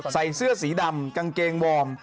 ใส่เสื้อสีดำกางเกงวอร์ม